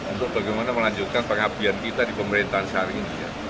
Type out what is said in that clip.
untuk bagaimana melanjutkan pengabdian kita di pemerintahan sehari ini